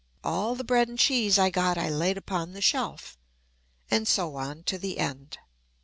All the bread and cheese I got I laid upon the shelf," and so on to the end.